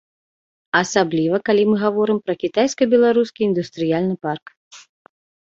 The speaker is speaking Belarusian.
Асабліва калі мы гаворым пра кітайска-беларускі індустрыяльны парк.